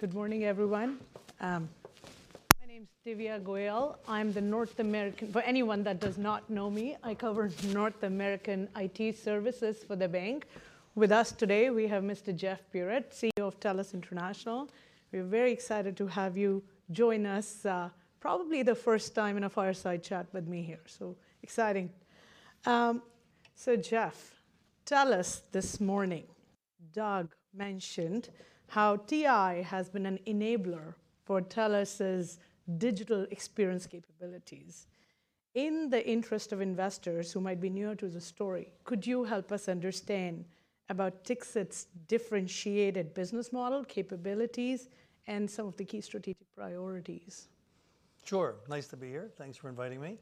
Good morning, everyone. My name's Divya Goyal. I'm the North American [Analyst]for anyone that does not know me. I cover North American IT services for the bank. With us today, we have Mr. Jeff Puritt, CEO of TELUS International. We're very excited to have you join us, probably the first time in a fireside chat with me here, so exciting. Jeff, TELUS this morning, Doug mentioned how TI has been an enabler for TELUS's digital experience capabilities. In the interest of investors who might be newer to the story, could you help us understand about TIXT's differentiated business model, capabilities, and some of the key strategic priorities? Sure. Nice to be here. Thanks for inviting me.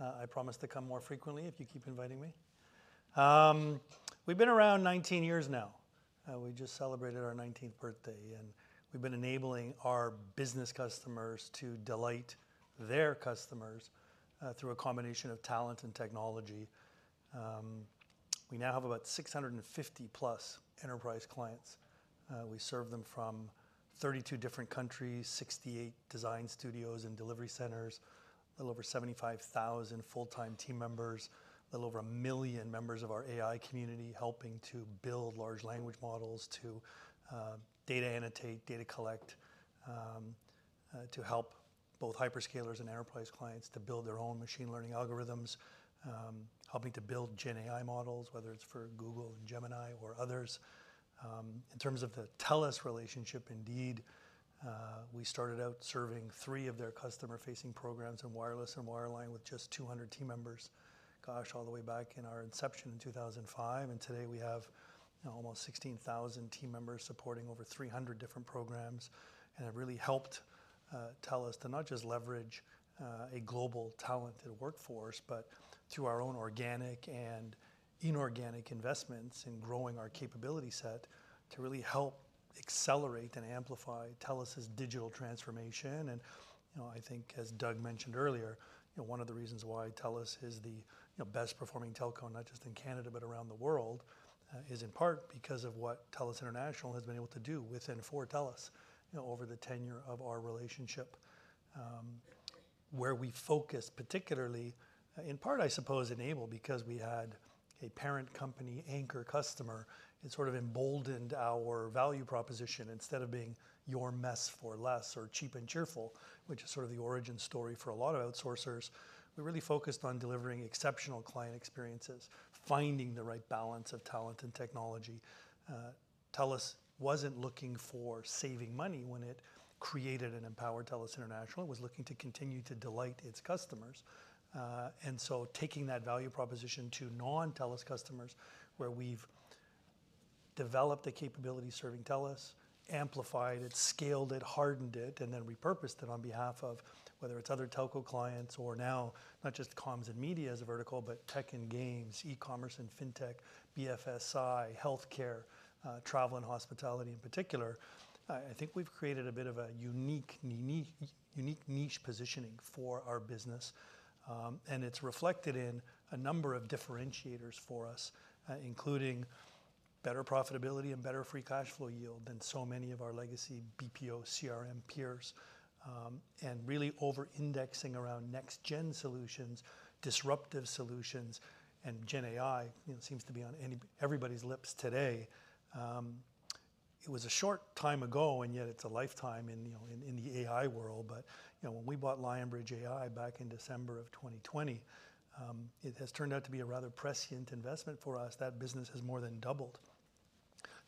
I promise to come more frequently if you keep inviting me. We've been around 19 years now. We just celebrated our 19th birthday, and we've been enabling our business customers to delight their customers through a combination of talent and technology. We now have about 650+ enterprise clients. We serve them from 32 different countries, 68 design studios and delivery centers, a little over 75,000 full-time team members, a little over 1 million members of our AI community helping to build large language models, to data annotate, data collect, to help both hyperscalers and enterprise clients to build their own machine learning algorithms, helping to build GenAI models, whether it's for Google and Gemini or others. In terms of the TELUS relationship, indeed, we started out serving 3 of their customer-facing programs in wireless and wireline with just 200 team members, gosh, all the way back in our inception in 2005. Today we have, you know, almost 16,000 team members supporting over 300 different programs, and have really helped, TELUS to not just leverage, a global talented workforce, but through our own organic and inorganic investments in growing our capability set to really help accelerate and amplify TELUS's digital transformation. You know, I think, as Doug mentioned earlier, you know, one of the reasons why TELUS is the, you know, best-performing telecom, not just in Canada but around the world, is in part because of what TELUS International has been able to do within TELUS, you know, over the tenure of our relationship. where we focus particularly, in part, I suppose, enabled because we had a parent company anchor customer. It sort of emboldened our value proposition. Instead of being your mess for less or cheap and cheerful, which is sort of the origin story for a lot of outsourcers, we really focused on delivering exceptional client experiences, finding the right balance of talent and technology. TELUS wasn't looking for saving money when it created and empowered TELUS International. It was looking to continue to delight its customers. Taking that value proposition to non-TELUS customers, where we've developed the capability serving TELUS, amplified it, scaled it, hardened it, and then repurposed it on behalf of whether it's other telco clients or now not just comms and media as a vertical, but tech and games, e-commerce and fintech, BFSI, healthcare, travel and hospitality in particular, I think we've created a bit of a unique, unique niche positioning for our business. It's reflected in a number of differentiators for us, including better profitability and better free cash flow yield than so many of our legacy BPO, CRM peers, and really over-indexing around next-gen solutions, disruptive solutions, and GenAI, you know, seems to be on everybody's lips today. It was a short time ago, and yet it's a lifetime in, you know, in the AI world. You know, when we bought Lionbridge AI back in December of 2020, it has turned out to be a rather prescient investment for us. That business has more than doubled.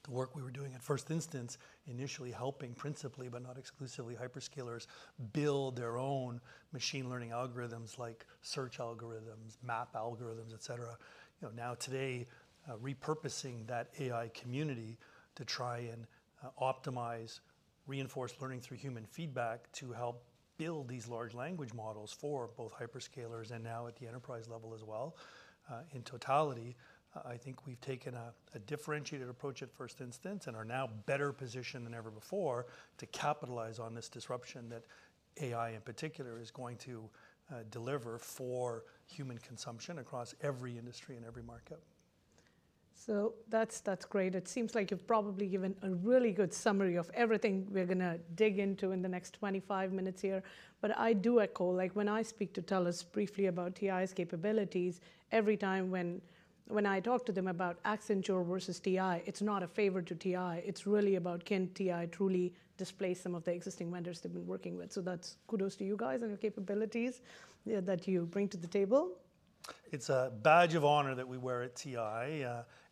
The work we were doing at first instance, initially helping principally but not exclusively hyperscalers build their own machine learning algorithms like search algorithms, map algorithms, etc. You know, now today, repurposing that AI community to try and optimize, reinforcement learning through human feedback to help build these large language models for both hyperscalers and now at the enterprise level as well. In totality, I think we've taken a differentiated approach at first instance and are now better positioned than ever before to capitalize on this disruption that AI in particular is going to deliver for human consumption across every industry and every market. That's great. It seems like you've probably given a really good summary of everything we're gonna dig into in the next 25 minutes here. I do echo like when I speak to TELUS briefly about TI's capabilities, every time when I talk to them about Accenture versus TI, it's not a favor to TI. It's really about can TI truly displace some of the existing vendors they've been working with. That's kudos to you guys and your capabilities that you bring to the table. It's a badge of honor that we wear at TI,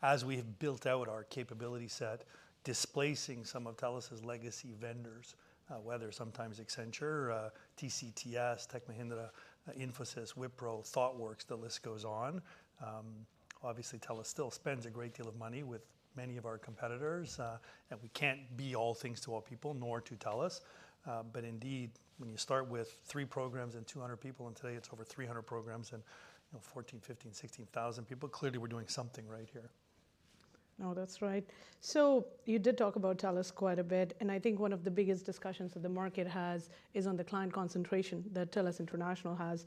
as we've built out our capability set, displacing some of TELUS's legacy vendors, whether sometimes Accenture, TCS, Tech Mahindra, Infosys, Wipro, Thoughtworks, the list goes on. Obviously, TELUS still spends a great deal of money with many of our competitors, and we can't be all things to all people, nor to TELUS. Indeed, when you start with 3 programs and 200 people, and today it's over 300 programs and, you know, 14,000-16,000 people, clearly we're doing something right here. Now, that's right. You did talk about TELUS quite a bit, and I think one of the biggest discussions that the market has is on the client concentration that TELUS International has.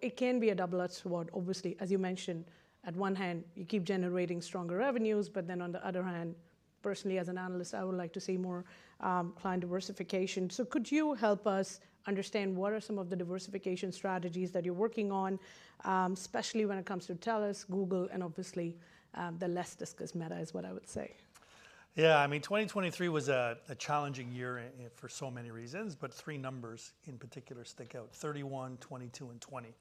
It can be a double-edged sword, obviously. As you mentioned, at one hand, you keep generating stronger revenues, but then on the other hand, personally, as an analyst, I would like to see more client diversification. Could you help us understand what are some of the diversification strategies that you're working on, especially when it comes to TELUS, Google, and obviously, the less discussed Meta is what I would say? Yeah. I mean, 2023 was a challenging year in for so many reasons, but three numbers in particular stick out: 31, 22, and 20.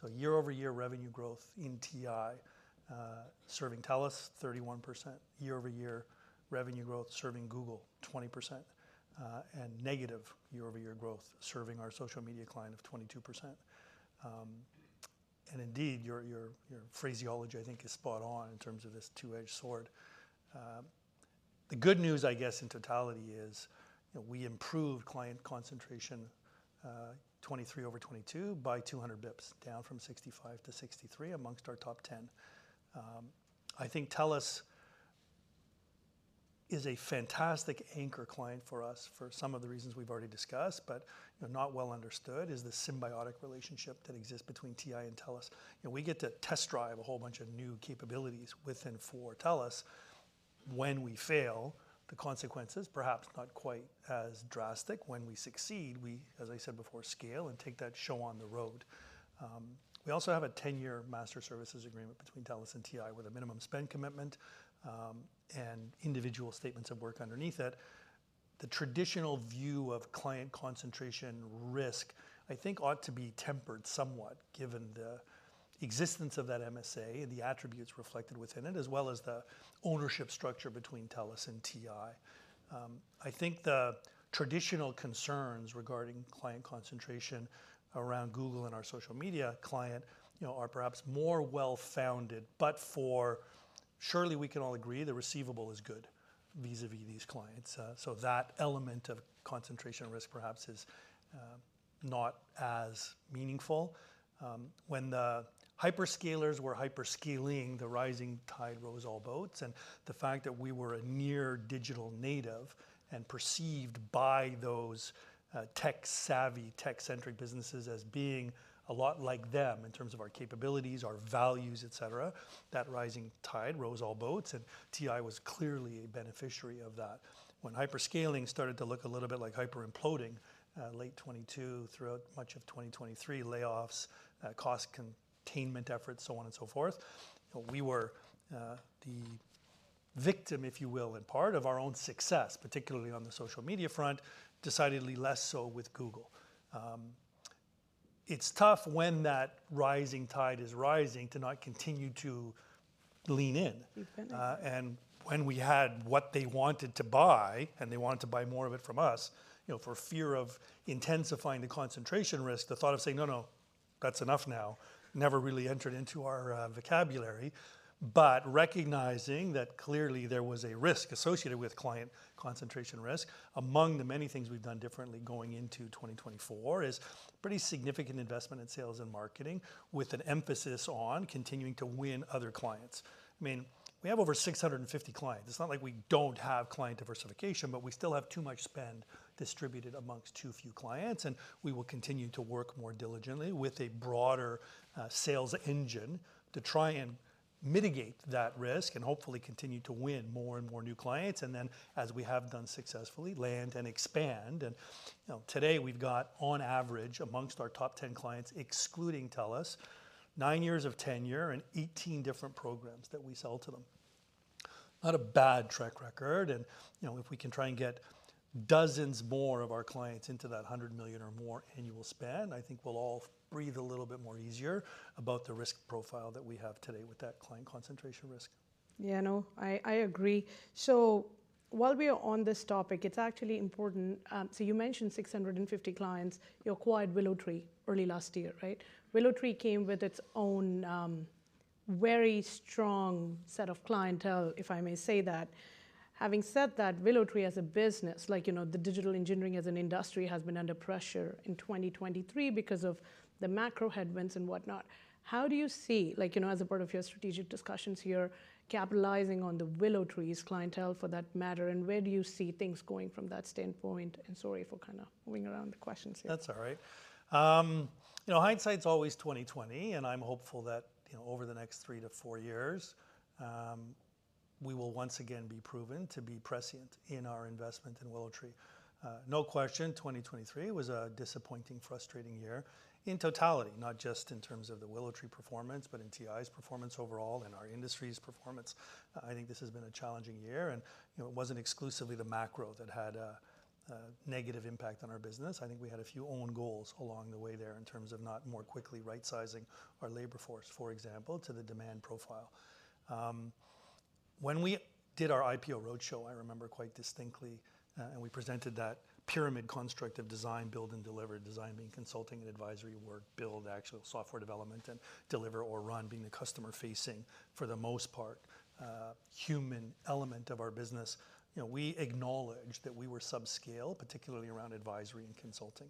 So year-over-year revenue growth in TI serving TELUS, 31%. Year-over-year revenue growth serving Google, 20%. And negative year-over-year growth serving our social media client of 22%. Indeed, your phraseology, I think, is spot on in terms of this two-edged sword. The good news, I guess, in totality is, you know, we improved client concentration, 2023 over 2022 by 200 basis points, down from 65% to 63% among our top 10. I think TELUS is a fantastic anchor client for us for some of the reasons we've already discussed, but, you know, not well understood is the symbiotic relationship that exists between TI and TELUS. You know, we get to test drive a whole bunch of new capabilities for TELUS. When we fail, the consequences perhaps not quite as drastic. When we succeed, we, as I said before, scale and take that show on the road. We also have a 10-year master services agreement between TELUS and TI with a minimum spend commitment, and individual statements of work underneath it. The traditional view of client concentration risk, I think, ought to be tempered somewhat given the existence of that MSA and the attributes reflected within it, as well as the ownership structure between TELUS and TI. I think the traditional concerns regarding client concentration around Google and our social media client, you know, are perhaps more well-founded, but for surely we can all agree the receivable is good vis-à-vis these clients. That element of concentration risk perhaps is not as meaningful. When the hyperscalers were hyperscaling, the rising tide rose all boats. The fact that we were a near-digital native and perceived by those, tech-savvy, tech-centric businesses as being a lot like them in terms of our capabilities, our values, etc., that rising tide rose all boats. TI was clearly a beneficiary of that. When hyperscaling started to look a little bit like hyper-imploding, late 2022, throughout much of 2023, layoffs, cost containment efforts, so on and so forth, you know, we were, the victim, if you will, in part, of our own success, particularly on the social media front, decidedly less so with Google. It's tough when that rising tide is rising to not continue to lean in. Keep betting. When we had what they wanted to buy, and they wanted to buy more of it from us, you know, for fear of intensifying the concentration risk, the thought of saying, "No, no, that's enough now," never really entered into our vocabulary. Recognizing that clearly there was a risk associated with client concentration risk, among the many things we've done differently going into 2024 is pretty significant investment in sales and marketing with an emphasis on continuing to win other clients. I mean, we have over 650 clients. It's not like we don't have client diversification, but we still have too much spend distributed among too few clients. And we will continue to work more diligently with a broader sales engine to try and mitigate that risk and hopefully continue to win more and more new clients, and then, as we have done successfully, land and expand. You know, today we've got, on average, amongst our top 10 clients excluding TELUS, nine years of tenure and 18 different programs that we sell to them. Not a bad track record. You know, if we can try and get dozens more of our clients into that $100 million or more annual spend, I think we'll all breathe a little bit more easier about the risk profile that we have today with that client concentration risk. Yeah, no, I, I agree. While we are on this topic, it's actually important. So you mentioned 650 clients. You acquired WillowTree early last year, right? WillowTree came with its own, very strong set of clientele, if I may say that. Having said that, WillowTree as a business, like, you know, the digital engineering as an industry has been under pressure in 2023 because of the macro headwinds and whatnot. How do you see, like, you know, as a part of your strategic discussions here, capitalizing on the WillowTree's clientele for that matter, and where do you see things going from that standpoint? Sorry for kind of moving around the questions here. That's all right. You know, hindsight's always 20/20, and I'm hopeful that, you know, over the next three to four years, we will once again be proven to be prescient in our investment in WillowTree. No question, 2023 was a disappointing, frustrating year in totality, not just in terms of the WillowTree performance, but in TI's performance overall, in our industry's performance. I think this has been a challenging year, and, you know, it wasn't exclusively the macro that had a negative impact on our business. I think we had a few own goals along the way there in terms of not more quickly right-sizing our labor force, for example, to the demand profile. When we did our IPO roadshow, I remember quite distinctly, and we presented that pyramid construct of design, build, and deliver. Design being consulting and advisory work. Build, actually software development. Deliver or run being the customer-facing, for the most part, human element of our business. We acknowledged that we were subscale, particularly around advisory and consulting.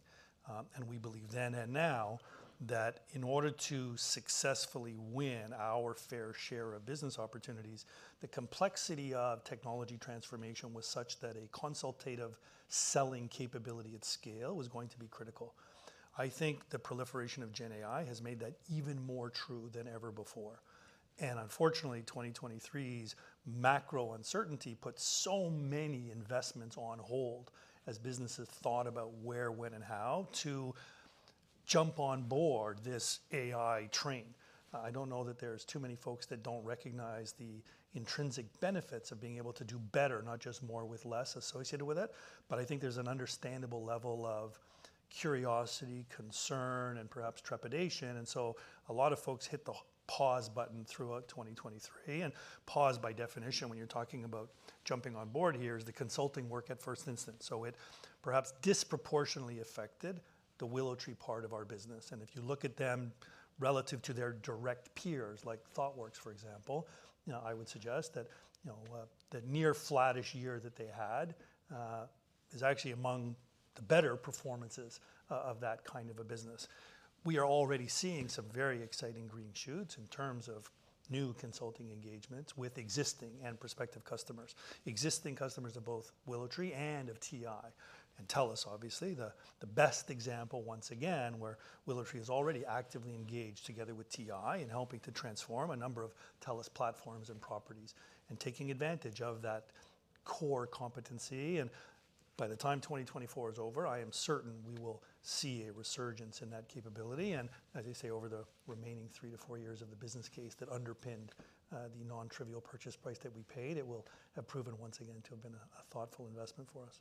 We believe then and now that in order to successfully win our fair share of business opportunities, the complexity of technology transformation was such that a consultative selling capability at scale was going to be critical. I think the proliferation of GenAI has made that even more true than ever before. Unfortunately, 2023's macro uncertainty put so many investments on hold as businesses thought about where, when, and how to jump on board this AI train. I don't know that there's too many folks that don't recognize the intrinsic benefits of being able to do better, not just more with less associated with it, but I think there's an understandable level of curiosity, concern, and perhaps trepidation. Alot of folks hit the pause button throughout 2023. Pause by definition, when you're talking about jumping on board here, is the consulting work at first instance. It perhaps disproportionately affected the WillowTree part of our business. If you look at them relative to their direct peers, like Thoughtworks, for example, you know, I would suggest that, you know, that near-flat-ish year that they had, is actually among the better performances, of that kind of a business. We are already seeing some very exciting green shoots in terms of new consulting engagements with existing and prospective customers. Existing customers of both WillowTree and of TI and TELUS, obviously, the best example, once again, where WillowTree is already actively engaged together with TI in helping to transform a number of TELUS platforms and properties and taking advantage of that core competency. By the time 2024 is over, I am certain we will see a resurgence in that capability. As I say, over the remaining three to four years of the business case that underpinned, the non-trivial purchase price that we paid, it will have proven once again to have been a thoughtful investment for us.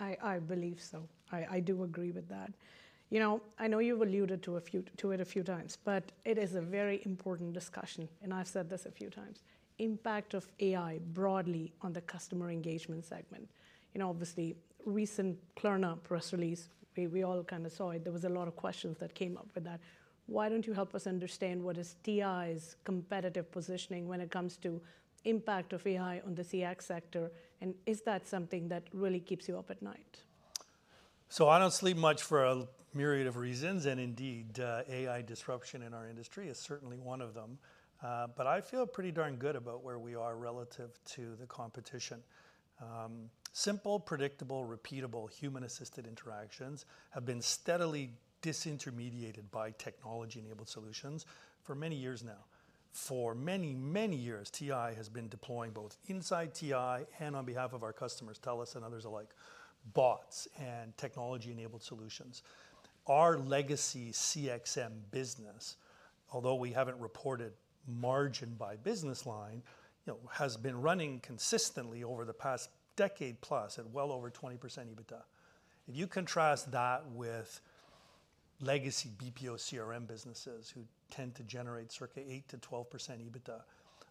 I, I believe so. I, I do agree with that. You know, I know you've alluded to a few to it a few times, but it is a very important discussion, and I've said this a few times, impact of AI broadly on the customer engagement segment. Obviously, recent Klarna press release, we, we all kind of saw it. There was a lot of questions that came up with that. Why don't you help us understand what is TI's competitive positioning when it comes to impact of AI on the CX sector, and is that something that really keeps you up at night? I don't sleep much for a myriad of reasons, and indeed, AI disruption in our industry is certainly one of them. I feel pretty darn good about where we are relative to the competition. Simple, predictable, repeatable, human-assisted interactions have been steadily disintermediated by technology-enabled solutions for many years now. For many, many years, TI has been deploying both inside TI and on behalf of our customers, TELUS and others alike, bots and technology-enabled solutions. Our legacy CXM business, although we haven't reported margin by business line, you know, has been running consistently over the past decade plus at well over 20% EBITDA. If you contrast that with legacy BPO CRM businesses who tend to generate circa 8%-12% EBITDA,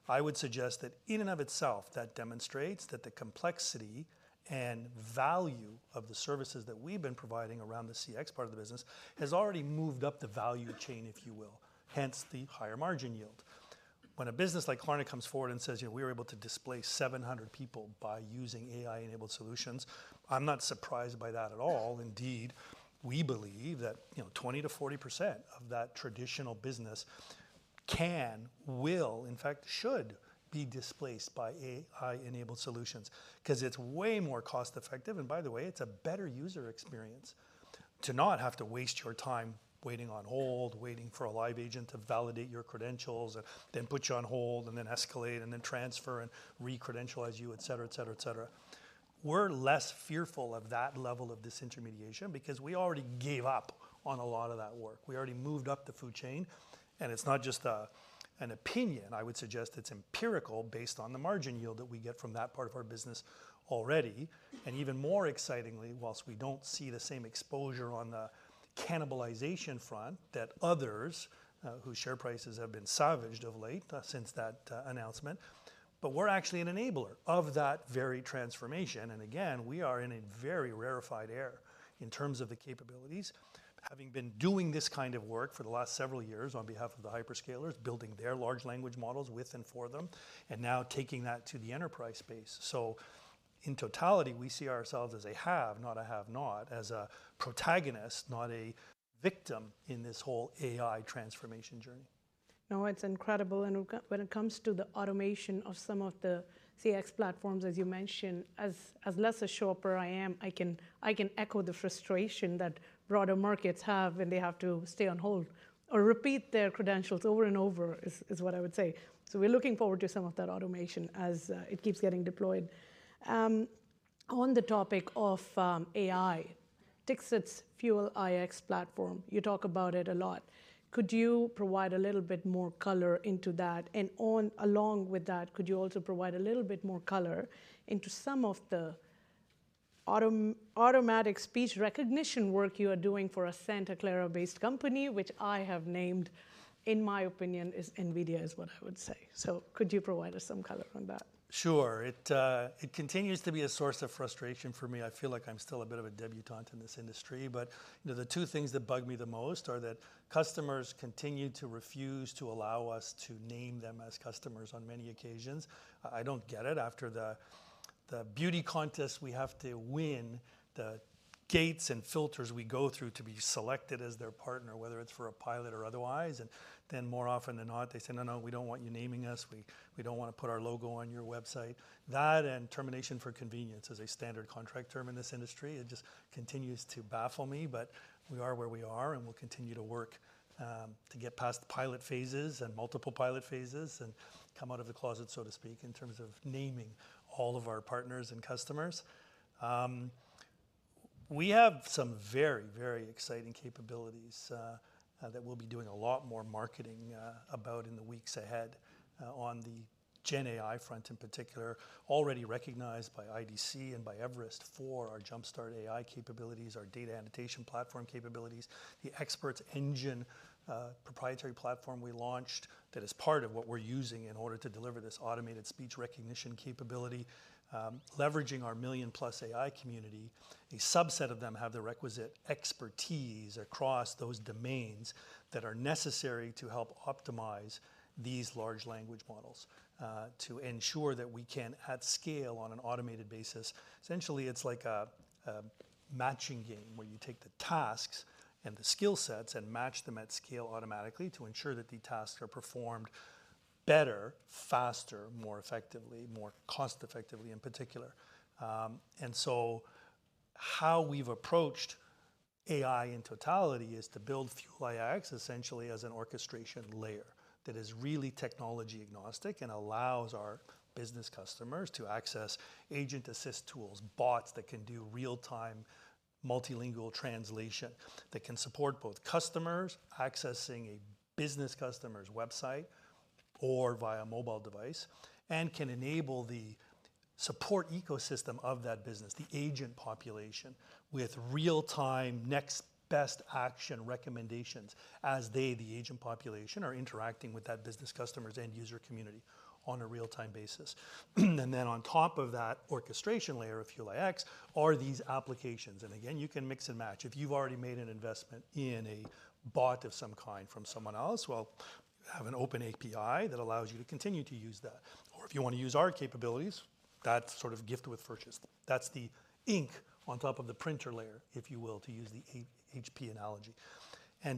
I would suggest that in and of itself, that demonstrates that the complexity and value of the services that we've been providing around the CX part of the business has already moved up the value chain, if you will, hence the higher margin yield. When a business like Klarna comes forward and says, you know, we were able to displace 700 people by using AI-enabled solutions, I'm not surprised by that at all. Indeed, we believe that, you know, 20%-40% of that traditional business can, will, in fact, should be displaced by AI-enabled solutions 'cause it's way more cost-effective. By the way, it's a better user experience to not have to waste your time waiting on hold, waiting for a live agent to validate your credentials, and then put you on hold, and then escalate, and then transfer, and recredentialize you, etc., etc., etc. We're less fearful of that level of disintermediation because we already gave up on a lot of that work. We already moved up the food chain, and it's not just an opinion. I would suggest it's empirical based on the margin yield that we get from that part of our business already. Even more excitingly, whilst we don't see the same exposure on the cannibalization front that others, whose share prices have been savaged of late, since that announcement, but we're actually an enabler of that very transformation. Again, we are in a very rarefied air in terms of the capabilities, having been doing this kind of work for the last several years on behalf of the hyperscalers, building their large language models with and for them, and now taking that to the enterprise space. In totality, we see ourselves as a have, not a have-not, as a protagonist, not a victim in this whole AI transformation journey. No, it's incredible. When it comes to the automation of some of the CX platforms, as you mentioned, as less a shopper I am, I can echo the frustration that broader markets have when they have to stay on hold or repeat their credentials over and over is what I would say. We're looking forward to some of that automation as it keeps getting deployed. On the topic of AI, TIXT's Fuel iX platform, you talk about it a lot. Could you provide a little bit more color into that? Along with that, could you also provide a little bit more color into some of the automatic speech recognition work you are doing for a Santa Clara-based company, which I have named, in my opinion, is NVIDIA, is what I would say. Could you provide us some color on that? Sure. It continues to be a source of frustration for me. I feel like I'm still a bit of a debutante in this industry. The two things that bug me the most are that customers continue to refuse to allow us to name them as customers on many occasions. I don't get it. After the beauty contests we have to win, the gates and filters we go through to be selected as their partner, whether it's for a pilot or otherwise, and then more often than not, they say, "No, no, we don't want you naming us. We don't wanna put our logo on your website." That and termination for convenience is a standard contract term in this industry. It just continues to baffle me. We are where we are, and we'll continue to work to get past the pilot phases and multiple pilot phases and come out of the closet, so to speak, in terms of naming all of our partners and customers. We have some very, very exciting capabilities that we'll be doing a lot more marketing about in the weeks ahead, on the GenAI front in particular, already recognized by IDC and by Everest for our GenAI Jumpstart capabilities, our data annotation platform capabilities, the Experts Engine. Proprietary platform we launched that is part of what we're using in order to deliver this automated speech recognition capability, leveraging our million-plus AI community, a subset of them have the requisite expertise across those domains that are necessary to help optimize these large language models, to ensure that we can at scale on an automated basis. Essentially, it's like a matching game where you take the tasks and the skill sets and match them at scale automatically to ensure that the tasks are performed better, faster, more effectively, more cost-effectively in particular. How we've approached AI in totality is to build Fuel iX essentially as an orchestration layer that is really technology-agnostic and allows our business customers to access agent-assist tools, bots that can do real-time multilingual translation that can support both customers accessing a business customer's website or via mobile device and can enable the support ecosystem of that business, the agent population, with real-time next best action recommendations as they, the agent population, are interacting with that business customer's end user community on a real-time basis. Then on top of that orchestration layer of Fuel iX are these applications. Again, you can mix and match. If you've already made an investment in a bot of some kind from someone else, well, have an open API that allows you to continue to use that. Or if you wanna use our capabilities, that's sort of gift with purchase. That's the ink on top of the printer layer, if you will, to use the HP analogy.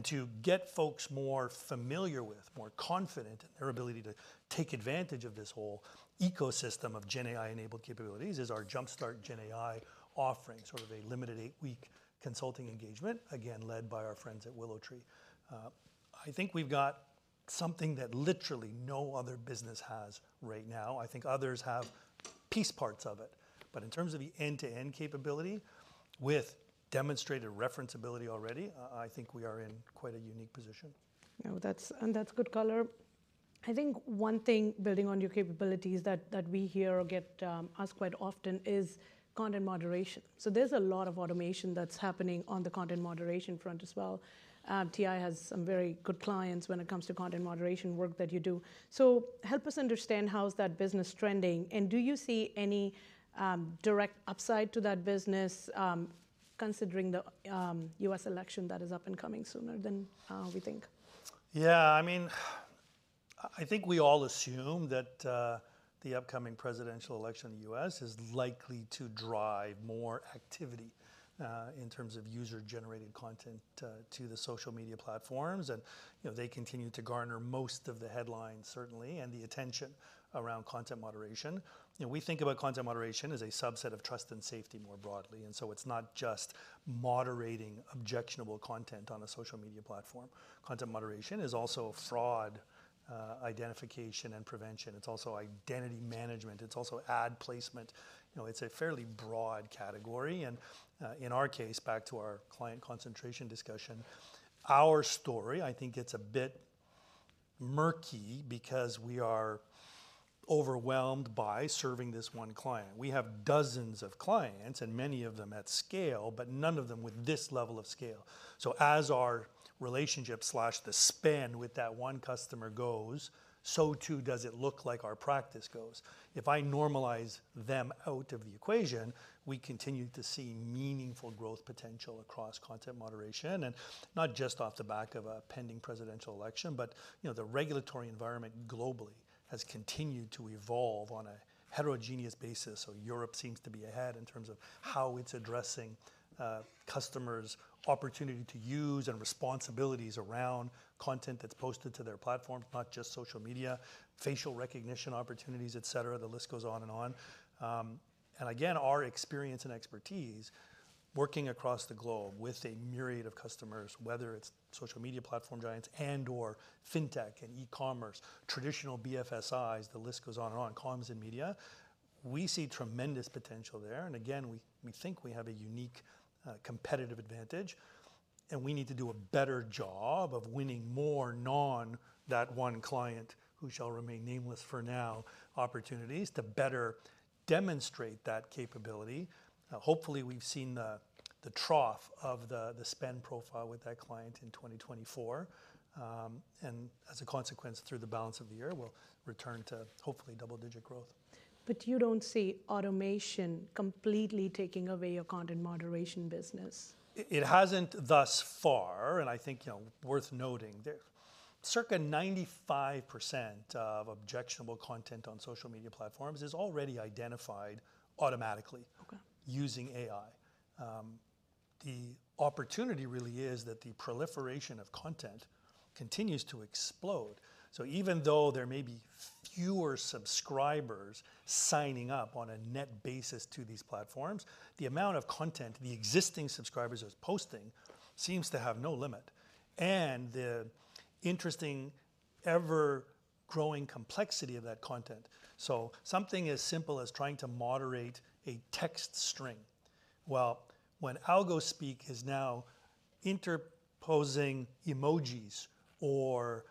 To get folks more familiar with, more confident in their ability to take advantage of this whole ecosystem of GenAI-enabled capabilities is our Jumpstart GenAI offering, sort of a limited eight-week consulting engagement, again, led by our friends at WillowTree. I think we've got something that literally no other business has right now. I think others have piece parts of it. But in terms of the end-to-end capability with demonstrated referenceability already, I, I think we are in quite a unique position. No, that's, and that's good color. I think one thing building on your capabilities that, that we hear or get, asked quite often is content moderation. There's a lot of automation that's happening on the content moderation front as well. TI has some very good clients when it comes to content moderation work that you do. Help us understand how's that business trending, and do you see any, direct upside to that business, considering the, U.S. election that is up and coming sooner than, we think? Yeah. I mean, I think we all assume that the upcoming presidential election in the U.S. is likely to drive more activity, in terms of user-generated content, to the social media platforms. They continue to garner most of the headlines, certainly, and the attention around content moderation. We think about content moderation as a subset of trust and safety more broadly. It's not just moderating objectionable content on a social media platform. Content moderation is also fraud identification and prevention. It's also identity management. It's also ad placement. It's a fairly broad category. In our case, back to our client concentration discussion, our story, I think it's a bit murky because we are overwhelmed by serving this one client. We have dozens of clients and many of them at scale, but none of them with this level of scale. As our relationship slash the span with that one customer goes, so too does it look like our practice goes. If I normalize them out of the equation, we continue to see meaningful growth potential across content moderation, and not just off the back of a pending presidential election, but, you know, the regulatory environment globally has continued to evolve on a heterogeneous basis. Europe seems to be ahead in terms of how it's addressing customers' opportunity to use and responsibilities around content that's posted to their platforms, not just social media, facial recognition opportunities, etc. The list goes on and on. Again, our experience and expertise working across the globe with a myriad of customers, whether it's social media platform giants and/or fintech and e-commerce, traditional BFSIs, the list goes on and on, comms and media, we see tremendous potential there. Again, we think we have a unique, competitive advantage, and we need to do a better job of winning more non-that one client who shall remain nameless for now opportunities to better demonstrate that capability. Hopefully, we've seen the trough of the span profile with that client in 2024. As a consequence, through the balance of the year, we'll return to hopefully double-digit growth. But you don't see automation completely taking away your content moderation business? It hasn't thus far. I think, you know, worth noting, there's circa 95% of objectionable content on social media platforms is already identified automatically. Okay. Using AI, the opportunity really is that the proliferation of content continues to explode. Even though there may be fewer subscribers signing up on a net basis to these platforms, the amount of content, the existing subscribers who are posting seems to have no limit. The interesting ever-growing complexity of that content. Something as simple as trying to moderate a text string. Well, when algospeak is now interposing emojis or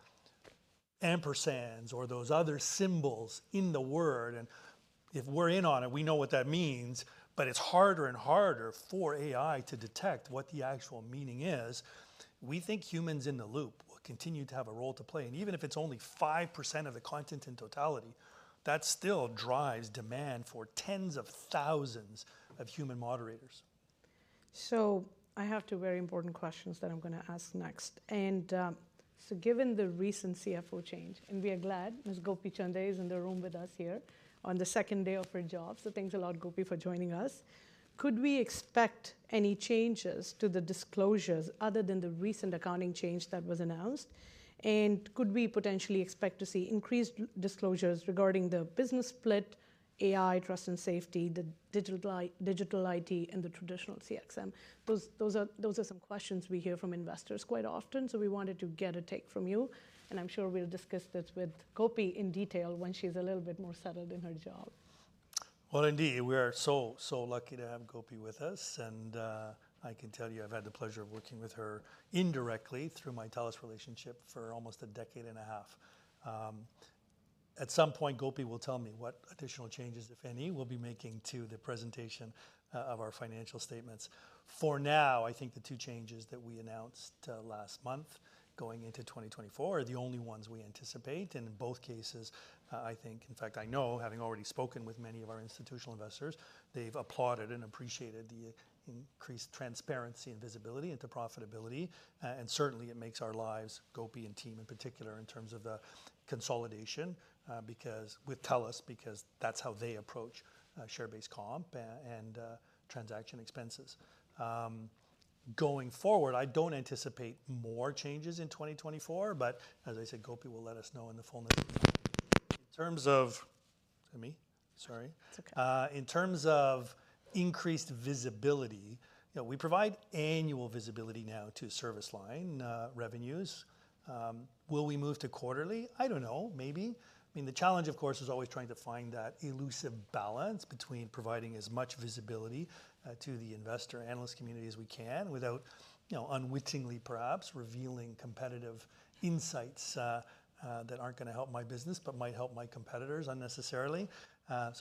ampersands or those other symbols in the word, and if we're in on it, we know what that means, but it's harder and harder for AI to detect what the actual meaning is. We think humans in the loop will continue to have a role to play. Even if it's only 5% of the content in totality, that still drives demand for tens of thousands of human moderators. I have two very important questions that I'm gonna ask next. Given the recent CFO change, and we are glad Ms. Gopi Chande is in the room with us here on the second day of her job, so thanks a lot, Gopi, for joining us. Could we expect any changes to the disclosures other than the recent accounting change that was announced? Could we potentially expect to see increased disclosures regarding the business split, AI, Trust and Safety, the digital IT, and the traditional CXM? Those are some questions we hear from investors quite often. We wanted to get a take from you, and I'm sure we'll discuss this with Gopi in detail when she's a little bit more settled in her job. Well, indeed, we are so, so lucky to have Gopi with us. I can tell you I've had the pleasure of working with her indirectly through my TELUS relationship for almost a decade and a half. At some point, Gopi will tell me what additional changes, if any, we'll be making to the presentation of our financial statements. For now, I think the two changes that we announced last month going into 2024 are the only ones we anticipate. In both cases, I think, in fact, I know, having already spoken with many of our institutional investors, they've applauded and appreciated the increased transparency and visibility into profitability. Certainly it makes our lives, Gopi and team in particular, in terms of the consolidation, because with TELUS, because that's how they approach share-based comp, and transaction expenses. Going forward, I don't anticipate more changes in 2024, but as I said, Gopi will let us know in the fullness of the time. In terms of, is that me? Sorry. It's okay. In terms of increased visibility, you know, we provide annual visibility now to service line revenues. Will we move to quarterly? I don't know. Maybe. I mean, the challenge, of course, is always trying to find that elusive balance between providing as much visibility to the investor analyst community as we can without, you know, unwittingly perhaps revealing competitive insights that aren't gonna help my business but might help my competitors unnecessarily.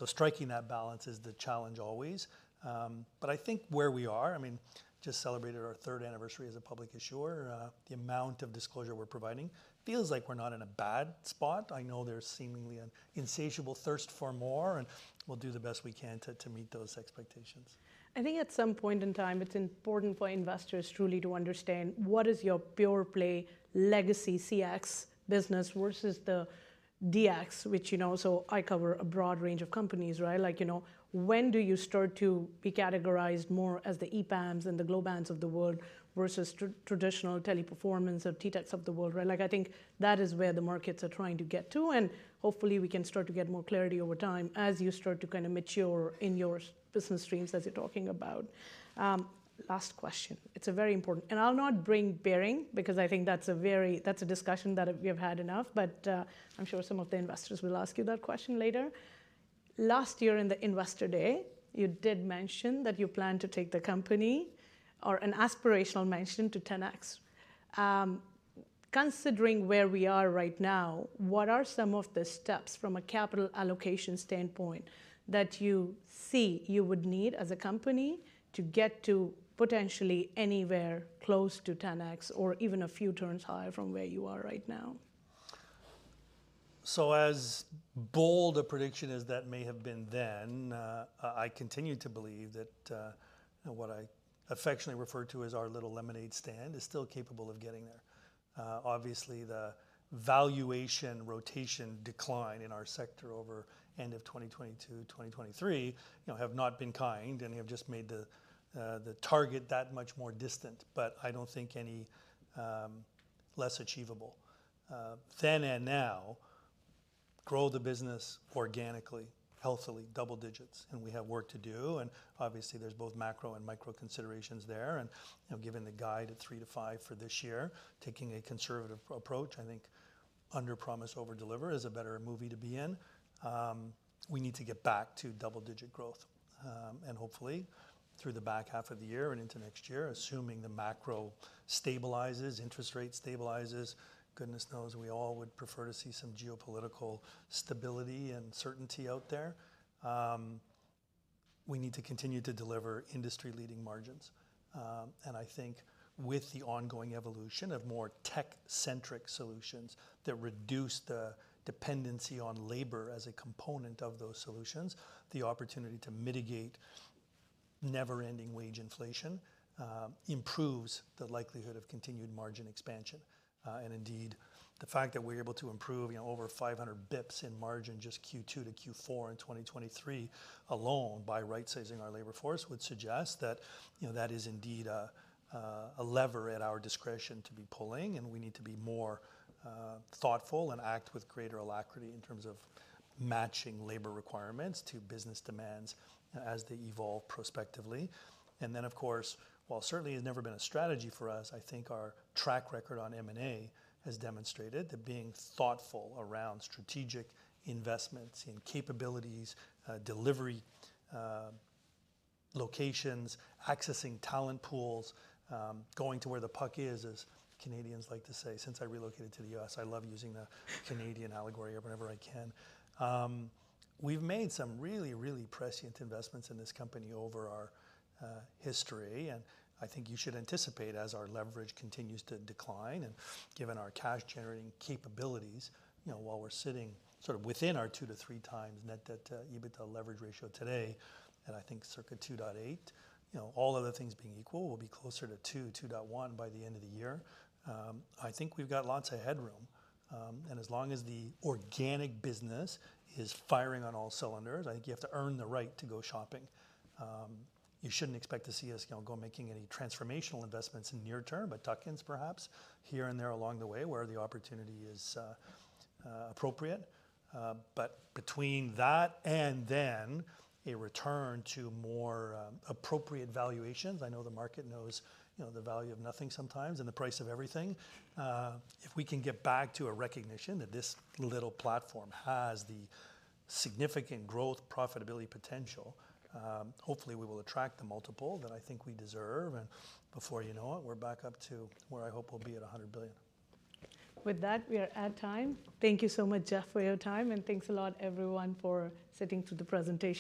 Striking that balance is the challenge always. I think where we are, I mean, just celebrated our third anniversary as a public issuer. The amount of disclosure we're providing feels like we're not in a bad spot. I know there's seemingly an insatiable thirst for more, and we'll do the best we can to meet those expectations. I think at some point in time, it's important for investors truly to understand what is your pure-play legacy CX business versus the DX, which, you know, I cover a broad range of companies, right? Like, you know, when do you start to be categorized more as the EPAMs and the Globants of the world versus traditional Teleperformance or TTECs of the world, right? Like, I think that is where the markets are trying to get to. Hopefully, we can start to get more clarity over time as you start to kind of mature in your business streams as you're talking about. Last question. It's a very important, and I'll not belabor because I think that's a very, that's a discussion that we have had enough, but, I'm sure some of the investors will ask you that question later. Last year in the Investor Day, you did mention that you plan to take the company or an aspirational mention to 10x. Considering where we are right now, what are some of the steps from a capital allocation standpoint that you see you would need as a company to get to potentially anywhere close to 10x or even a few turns higher from where you are right now? As bold a prediction as that may have been then, I continue to believe that, you know, what I affectionately refer to as our little lemonade stand is still capable of getting there. Obviously, the valuation rotation decline in our sector over end of 2022, 2023, you know, have not been kind and have just made the target that much more distant. I don't think any less achievable then and now, grow the business organically, healthily, double digits. We have work to do. Obviously, there's both macro and micro considerations there. You know, given the guide at 3-5 for this year, taking a conservative approach, I think underpromise, overdeliver is a better movie to be in. We need to get back to double-digit growth, and hopefully through the back half of the year and into next year, assuming the macro stabilizes, interest rate stabilizes, goodness knows we all would prefer to see some geopolitical stability and certainty out there. We need to continue to deliver industry-leading margins. I think with the ongoing evolution of more tech-centric solutions that reduce the dependency on labor as a component of those solutions, the opportunity to mitigate never-ending wage inflation, improves the likelihood of continued margin expansion. Indeed, the fact that we're able to improve, you know, over 500 bps in margin just Q2 to Q4 in 2023 alone by right-sizing our labor force would suggest that, you know, that is indeed a, a lever at our discretion to be pulling. We need to be more thoughtful and act with greater alacrity in terms of matching labor requirements to business demands as they evolve prospectively. Then, of course, while certainly it's never been a strategy for us, I think our track record on M&A has demonstrated that being thoughtful around strategic investments in capabilities, delivery, locations, accessing talent pools, going to where the puck is, as Canadians like to say, since I relocated to the U.S., I love using the Canadian allegory whenever I can. We've made some really, really prescient investments in this company over our history. I think you should anticipate as our leverage continues to decline and given our cash-generating capabilities, while we're sitting sort of within our 2-3 times net debt EBITDA leverage ratio today, and I think circa 2.8, you know, all other things being equal, we'll be closer to 2, 2.1 by the end of the year. I think we've got lots of headroom. And as long as the organic business is firing on all cylinders, I think you have to earn the right to go shopping. You shouldn't expect to see us, you know, go making any transformational investments in the near term, but tuck-ins perhaps here and there along the way where the opportunity is appropriate. Between that and then a return to more appropriate valuations, I know the market knows, you know, the value of nothing sometimes and the price of everything. If we can get back to a recognition that this little platform has the significant growth profitability potential, hopefully we will attract the multiple that I think we deserve. Before you know it, we're back up to where I hope we'll be at $100 billion. With that, we are at time. Thank you so much, Jeff, for your time. Thanks a lot, everyone, for sitting through the presentation.